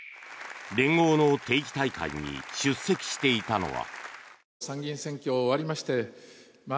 連合の定期大会に出席していたのは。